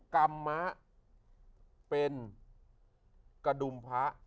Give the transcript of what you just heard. กรรมมะเป็นกระดุมพระ